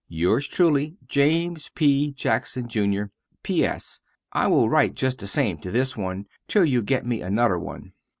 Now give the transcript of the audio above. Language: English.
Yours truly, James P. Jackson Jr. P.S. I will rite just the same to this one till you get me a nuther one.